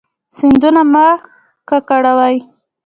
سیندونه مه ککړوئ